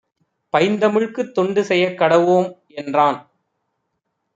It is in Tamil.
"பைந்தமிழ்க்குத் தொண்டுசெயக் கடவோம்" என்றான்.